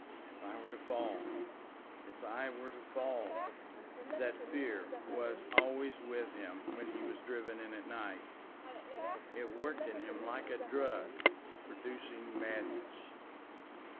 "If I were to fall! If I were to fall!" That fear was always with him when he was driven in at night. It worked in him like a drug producing madness.